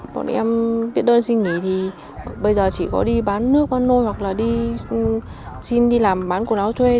bọn em viết đơn xin nghỉ thì bây giờ chỉ có đi bán nước bán nôi hoặc là đi xin đi làm bán quần áo thuê